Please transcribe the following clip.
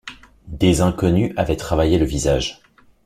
Des inconnus avaient travaillé le visage.